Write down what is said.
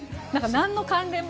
何の関連も。